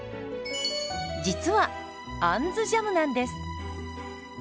実は「あんずジャム」なんです。